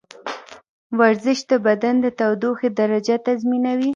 ورزش د بدن د تودوخې درجه تنظیموي.